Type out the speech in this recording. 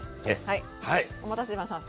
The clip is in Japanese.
はいお待たせしました。